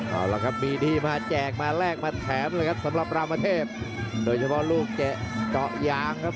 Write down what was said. เอาละครับมีดีมาแจกมาแลกมาแถมเลยครับสำหรับรามเทพโดยเฉพาะลูกแกะเกาะยางครับ